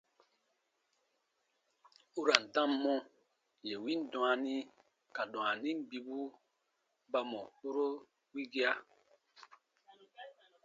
U ra n dam mɔ : yè win dwaani ka dwaanin bibu ba mɔ kpuro wigia.